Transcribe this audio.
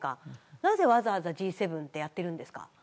なぜわざわざＧ７ってやってるんですか？